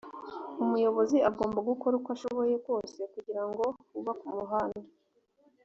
umuyobozi agomba gukora uko ashoboye kose kugirango hubakwe umuhanda